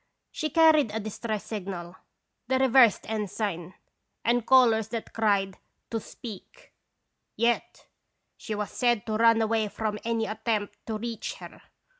She carried a distress signal, the reversed ensign, and colors that cried 'To Speak/ yet she was said to run away from any attempt to reach her.